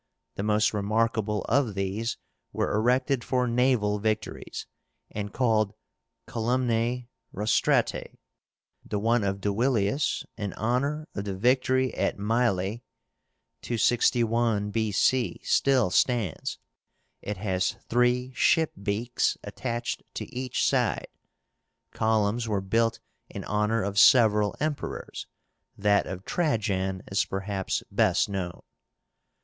The most remarkable of these were erected for naval victories, and called COLUMNAE ROSTRÁTAE. The one of Duilius, in honor of the victory at Mylae (261 B. C.), still stands. It has three ship beaks attached to each side. Columns were built in honor of several Emperors. That of Trajan is perhaps best known.